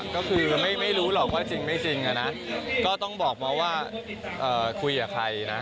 ก็คือไม่รู้หรอกว่าจริงไม่จริงอะนะก็ต้องบอกมาว่าคุยกับใครนะ